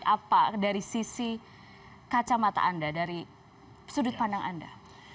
apa dari sisi kacamata anda dari sudut pandang anda